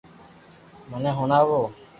مني ھڻاووُ